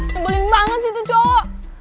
ngebelin banget sih itu cowok